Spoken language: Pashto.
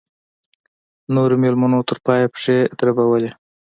نورو مېلمنو تر پایه پښې دربولې.